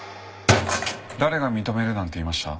誰が認めるなんて言いました？